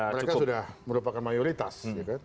mereka sudah merupakan mayoritas